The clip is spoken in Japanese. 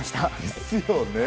ですよね。